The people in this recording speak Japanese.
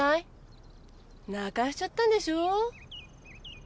泣かしちゃったんでしょ？